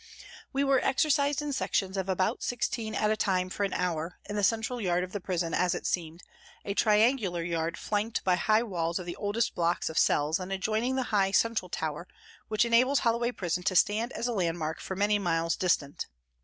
We were exercised in sections of about sixteen at a time for an hour, in the central yard of the prison, as it seemed, a triangular yard flanked by high walls of the oldest blocks of cells and adjoining the high central tower, which enables Holloway prison to stand as a landmark for many miles distant.